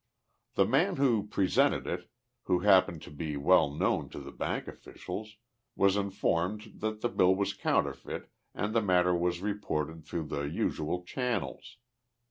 The man who presented it, who happened to be well known to the bank officials, was informed that the bill was counterfeit and the matter was reported through the usual channels.